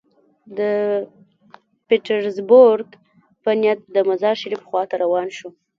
د پیټرزبورګ په نیت د مزار شریف خوا ته روان شو.